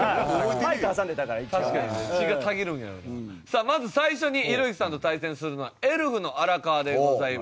さあまず最初にひろゆきさんと対戦するのはエルフの荒川でございます。